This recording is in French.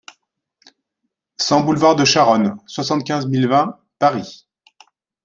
cent boulevard de Charonne, soixante-quinze mille vingt Paris